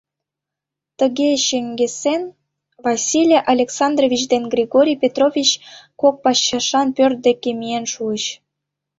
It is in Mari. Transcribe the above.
Тыге чеҥгесен, Василий Александрович ден Григорий Петрович кок пачашан пӧрт деке миен шуыч.